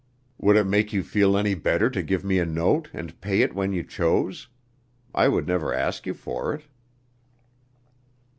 Would it make you feel any better to give me a note and pay it when you chose? I would never ask you for it."